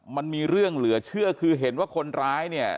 มันมีเรื่องเหลือเชื่อคือเห็นว่าคนร้ายเนี่ย